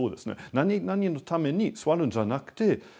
何々のために座るんじゃなくてただ今ここ。